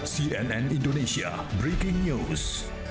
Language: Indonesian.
cnn indonesia breaking news